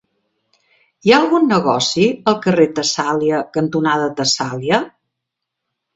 Hi ha algun negoci al carrer Tessàlia cantonada Tessàlia?